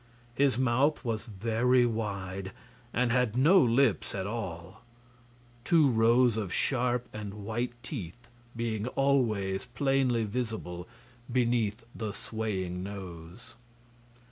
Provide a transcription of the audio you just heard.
His mouth was very wide and had no lips at all, two rows of sharp and white teeth being always plainly visible beneath the swaying nose.